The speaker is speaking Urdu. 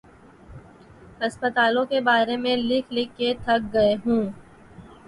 ہسپتالوں کے بارے میں لکھ لکھ کے تھک گئے ہوں۔